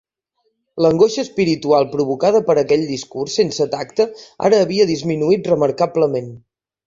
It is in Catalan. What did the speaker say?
L'angoixa espiritual provocada per aquell discurs sense tacte ara havia disminuït remarcablement.